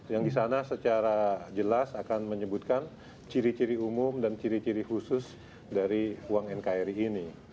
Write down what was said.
yang di sana secara jelas akan menyebutkan ciri ciri umum dan ciri ciri khusus dari uang nkri ini